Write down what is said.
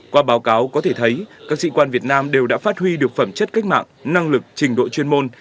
qua báo cáo có thể thấy các sĩ quan việt nam đều đã phát huy được phẩm chất cách mạng năng lực trình độ chuyên môn